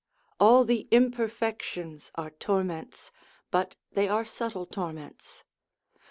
All the imperfections are torments, but they are subtile torments.